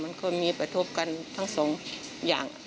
มันมีประถูปกันทั้ง๒อย่าง